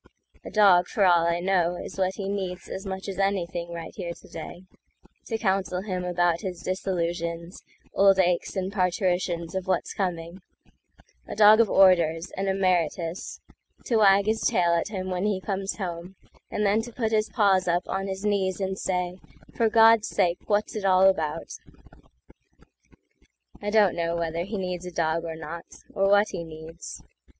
A dog, for all I know, is what he needsAs much as anything right here to day, To counsel him about his disillusions, Old aches, and parturitions of what's coming,—A dog of orders, an emeritus, To wag his tail at him when he comes home, And then to put his paws up on his kneesAnd say, "For God's sake, what's it all about?"I don't know whether he needs a dog or not—Or what he needs.